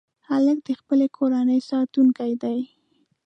هلک د خپلې کورنۍ ساتونکی دی.